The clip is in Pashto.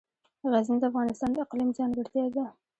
غزني د افغانستان د اقلیم ځانګړتیا ده.